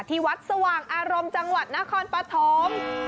ที่วัดสว่างอารมณ์จังหวัดนครปฐม